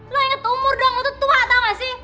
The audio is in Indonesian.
lo inget umur dong lo tuh tua tau gak sih